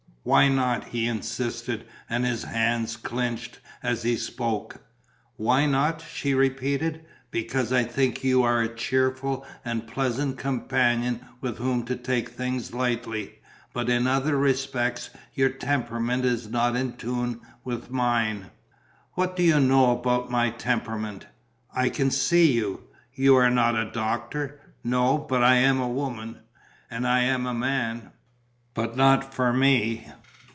"Why not?" he insisted; and his hands clenched as he spoke. "Why not?" she repeated. "Because I think you a cheerful and pleasant companion with whom to take things lightly, but in other respects your temperament is not in tune with mine." "What do you know about my temperament?" "I can see you." "You are not a doctor." "No, but I am a woman." "And I a man." "But not for me."